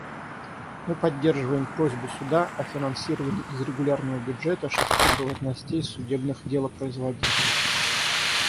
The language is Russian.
Мы поддерживаем просьбу Суда о финансировании из регулярного бюджета шести должностей судебных делопроизводителей.